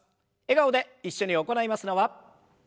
笑顔で一緒に行いますのは。